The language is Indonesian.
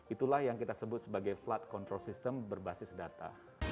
itulah yang kita sebut sebagai flood control system berbasis data